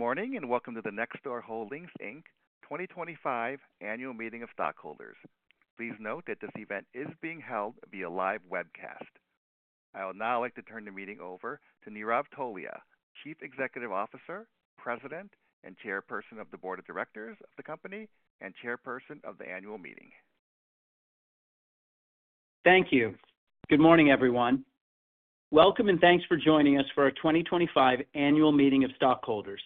Morning and welcome to the Nextdoor Holdings 2025 Annual Meeting of Stockholders. Please note that this event is being held via live webcast. I would now like to turn the meeting over to Nirav Tolia, Chief Executive Officer, President, and Chairperson of the Board of Directors of the company and Chairperson of the Annual Meeting. Thank you. Good morning, everyone. Welcome and thanks for joining us for our 2025 Annual Meeting of Stockholders.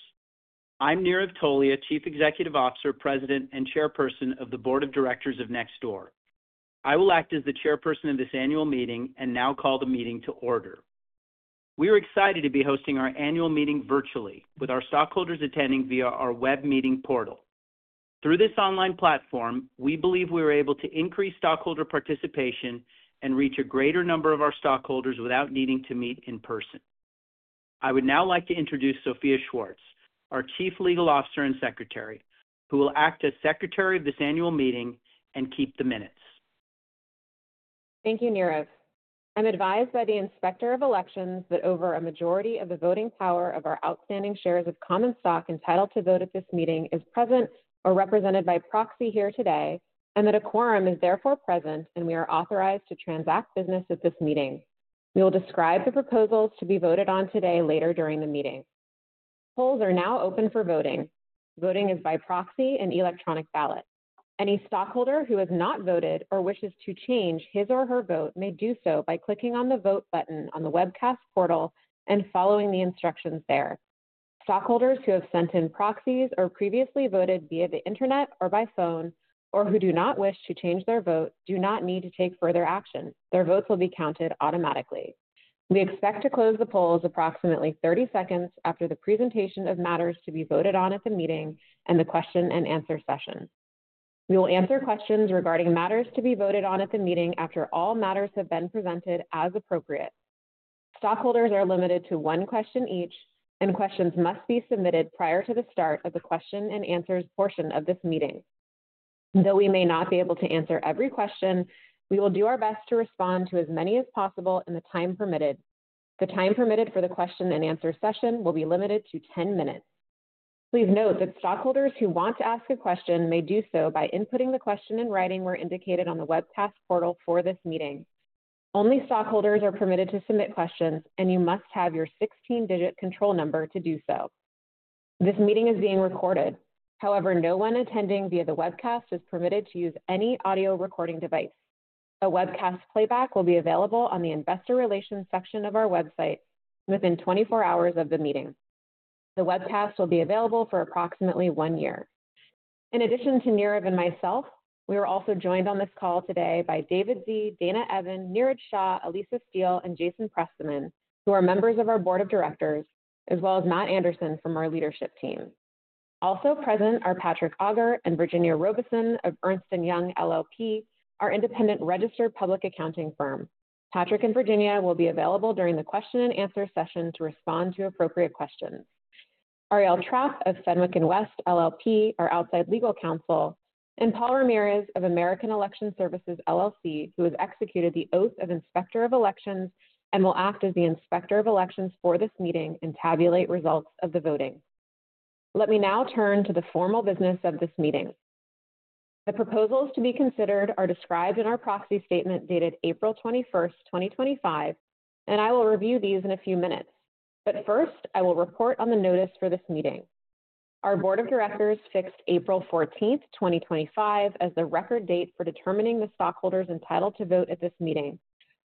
I'm Nirav Tolia, Chief Executive Officer, President, and Chairperson of the Board of Directors of Nextdoor. I will act as the Chairperson of this Annual Meeting and now call the meeting to order. We are excited to be hosting our Annual Meeting virtually, with our stockholders attending via our web meeting portal. Through this online platform, we believe we are able to increase stockholder participation and reach a greater number of our stockholders without needing to meet in person. I would now like to introduce Sophia Schwartz, our Chief Legal Officer and Secretary, who will act as Secretary of this Annual Meeting and keep the minutes. Thank you, Nirav. I'm advised by the Inspector of Elections that over a majority of the voting power of our outstanding shares of common stock entitled to vote at this meeting is present or represented by proxy here today, and that a quorum is therefore present and we are authorized to transact business at this meeting. We will describe the proposals to be voted on today later during the meeting. Polls are now open for voting. Voting is by proxy and electronic ballot. Any stockholder who has not voted or wishes to change his or her vote may do so by clicking on the Vote button on the webcast portal and following the instructions there. Stockholders who have sent in proxies or previously voted via the internet or by phone, or who do not wish to change their vote, do not need to take further action. Their votes will be counted automatically. We expect to close the polls approximately 30 seconds after the presentation of matters to be voted on at the meeting and the question and answer session. We will answer questions regarding matters to be voted on at the meeting after all matters have been presented as appropriate. Stockholders are limited to one question each, and questions must be submitted prior to the start of the question and answer portion of this meeting. Though we may not be able to answer every question, we will do our best to respond to as many as possible in the time permitted. The time permitted for the question and answer session will be limited to 10 minutes. Please note that stockholders who want to ask a question may do so by inputting the question in writing where indicated on the webcast portal for this meeting. Only stockholders are permitted to submit questions, and you must have your 16-digit control number to do so. This meeting is being recorded. However, no one attending via the webcast is permitted to use any audio recording device. A webcast playback will be available on the Investor Relations section of our website within 24 hours of the meeting. The webcast will be available for approximately one year. In addition to Nirav and myself, we were also joined on this call today by David Z., Dana Evans, Neeraj Shah, Elisa Steele, and Jason Pressman, who are members of our Board of Directors, as well as Matt Anderson from our leadership team. Also present are Patrick Auger and Virginia Robeson of Ernst & Young LLP, our independent registered public accounting firm. Patrick and Virginia will be available during the question and answer session to respond to appropriate questions. Arielle Trapp of Fenwick & West LLP, our outside legal counsel, and Paul Ramirez of American Election Services LLC, who has executed the oath of Inspector of Elections and will act as the Inspector of Elections for this meeting and tabulate results of the voting. Let me now turn to the formal business of this meeting. The proposals to be considered are described in our proxy statement dated April 21st, 2025, and I will review these in a few minutes. First, I will report on the notice for this meeting. Our Board of Directors fixed April 14th, 2025, as the record date for determining the stockholders entitled to vote at this meeting.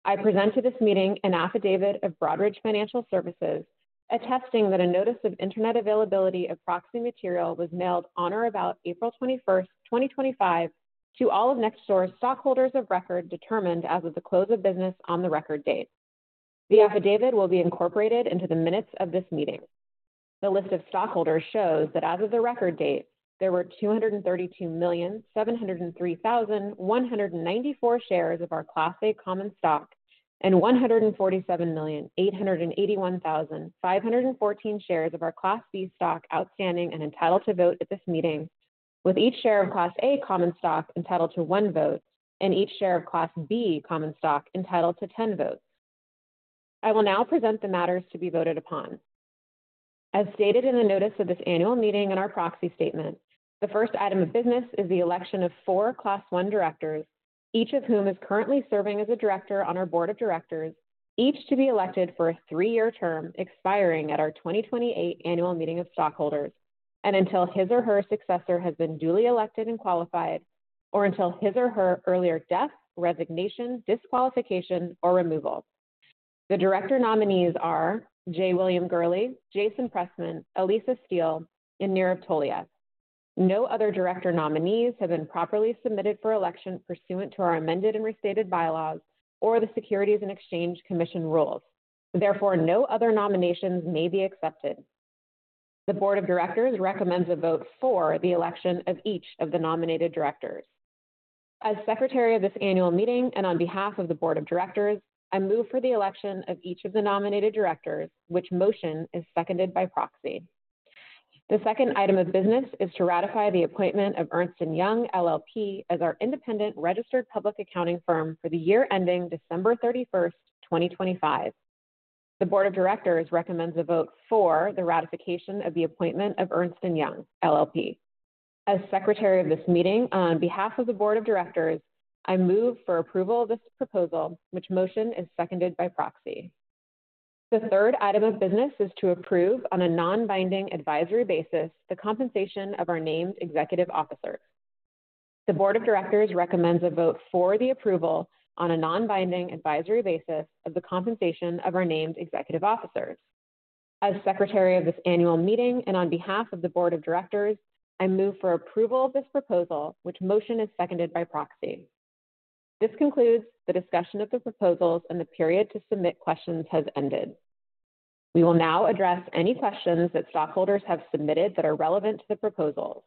I present to this meeting an affidavit of Broadridge Financial Solutions attesting that a notice of internet availability of proxy material was mailed on or about April 21, 2025, to all of Nextdoor's stockholders of record determined as of the close of business on the record date. The affidavit will be incorporated into the minutes of this meeting. The list of stockholders shows that as of the record date, there were 232,703,194 shares of our Class A common stock and 147,881,514 shares of our Class B common stock outstanding and entitled to vote at this meeting, with each share of Class A common stock entitled to one vote and each share of Class B common stock entitled to 10 votes. I will now present the matters to be voted upon. As stated in the notice of this Annual Meeting and our proxy statement, the first item of business is the election of four Class 1 directors, each of whom is currently serving as a director on our Board of Directors, each to be elected for a three-year term expiring at our 2028 Annual Meeting of Stockholders and until his or her successor has been duly elected and qualified, or until his or her earlier death, resignation, disqualification, or removal. The director nominees are J. William Gurley, Jason Pressman, Elisa Steele, and Nirav Tolia. No other director nominees have been properly submitted for election pursuant to our amended and restated bylaws or the Securities and Exchange Commission rules. Therefore, no other nominations may be accepted. The Board of Directors recommends a vote for the election of each of the nominated directors. As Secretary of this Annual Meeting and on behalf of the Board of Directors, I move for the election of each of the nominated directors, which motion is seconded by proxy. The second item of business is to ratify the appointment of Ernst & Young LLP as our independent registered public accounting firm for the year ending December 31, 2025. The Board of Directors recommends a vote for the ratification of the appointment of Ernst & Young LLP. As Secretary of this meeting on behalf of the Board of Directors, I move for approval of this proposal, which motion is seconded by proxy. The third item of business is to approve on a non-binding advisory basis the compensation of our named executive officers. The Board of Directors recommends a vote for the approval on a non-binding advisory basis of the compensation of our named executive officers. As Secretary of this Annual Meeting and on behalf of the Board of Directors, I move for approval of this proposal, which motion is seconded by proxy. This concludes the discussion of the proposals, and the period to submit questions has ended. We will now address any questions that stockholders have submitted that are relevant to the proposals.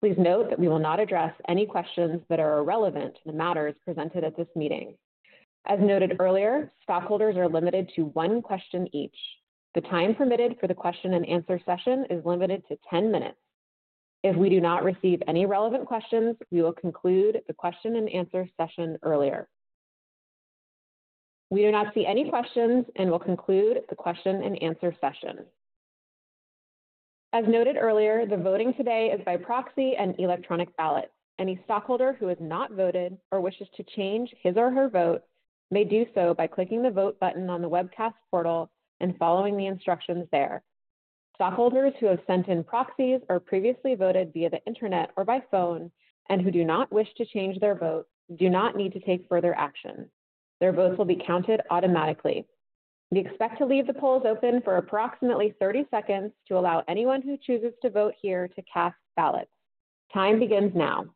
Please note that we will not address any questions that are irrelevant to the matters presented at this meeting. As noted earlier, stockholders are limited to one question each. The time permitted for the question and answer session is limited to 10 minutes. If we do not receive any relevant questions, we will conclude the question and answer session earlier. We do not see any questions and will conclude the question and answer session. As noted earlier, the voting today is by proxy and electronic ballot. Any stockholder who has not voted or wishes to change his or her vote may do so by clicking the Vote button on the webcast portal and following the instructions there. Stockholders who have sent in proxies or previously voted via the internet or by phone and who do not wish to change their vote do not need to take further action. Their votes will be counted automatically. We expect to leave the polls open for approximately 30 seconds to allow anyone who chooses to vote here to cast ballots. Time begins now.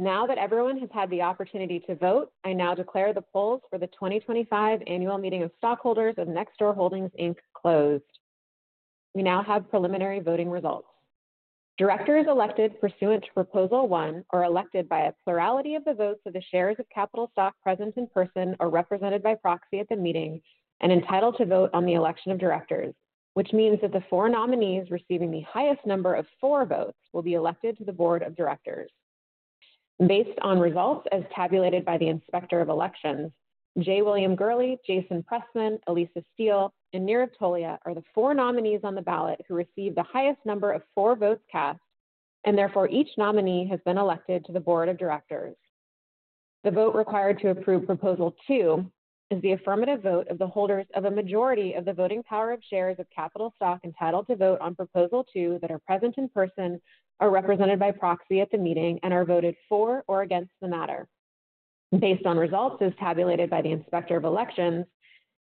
Now that everyone has had the opportunity to vote, I now declare the polls for the 2025 Annual Meeting of Stockholders of Nextdoor Holdings, Inc. closed. We now have preliminary voting results. Directors elected pursuant to Proposal 1 are elected by a plurality of the votes of the shares of capital stock present in person or represented by proxy at the meeting and entitled to vote on the election of directors, which means that the four nominees receiving the highest number of votes will be elected to the Board of Directors. Based on results as tabulated by the Inspector of Elections, J. William Gurley, Jason Pressman, Elisa Steele, and Nirav Tolia are the four nominees on the ballot who received the highest number of votes cast, and therefore each nominee has been elected to the Board of Directors. The vote required to approve Proposal 2 is the affirmative vote of the holders of a majority of the voting power of shares of capital stock entitled to vote on Proposal 2 that are present in person or represented by proxy at the meeting and are voted for or against the matter. Based on results as tabulated by the Inspector of Elections,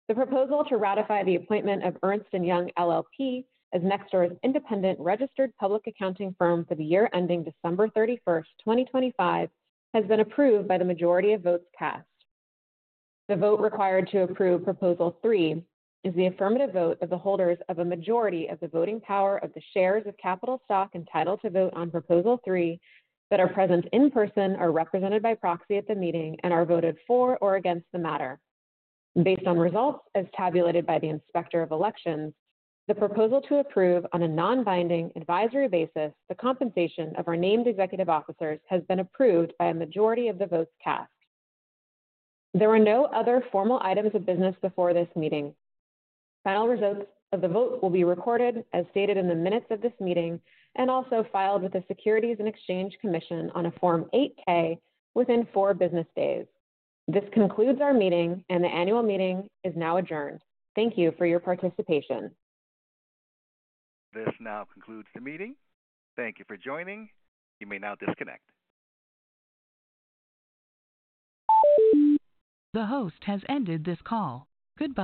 the proposal to ratify the appointment of Ernst & Young LLP as Nextdoor's independent registered public accounting firm for the year ending December 31, 2025, has been approved by the majority of votes cast. The vote required to approve Proposal 3 is the affirmative vote of the holders of a majority of the voting power of the shares of capital stock entitled to vote on Proposal 3 that are present in person or represented by proxy at the meeting and are voted for or against the matter. Based on results as tabulated by the Inspector of Elections, the proposal to approve on a non-binding advisory basis the compensation of our named executive officers has been approved by a majority of the votes cast. There were no other formal items of business before this meeting. Final results of the vote will be recorded as stated in the minutes of this meeting and also filed with the Securities and Exchange Commission on a Form 8-K within four business days. This concludes our meeting, and the Annual Meeting is now adjourned. Thank you for your participation. This now concludes the meeting. Thank you for joining. You may now disconnect. The host has ended this call. Goodbye.